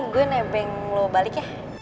gua nebeng lo balik